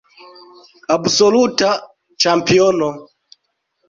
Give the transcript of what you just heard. Absoluta ĉampiono.